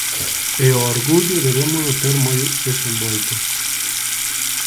E o orgullo debémolo ter moi desenvolto.